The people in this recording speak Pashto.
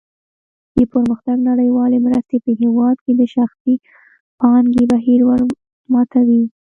د پرمختګ نړیوالې مرستې په هېواد کې د شخصي پانګې بهیر ورماتوي.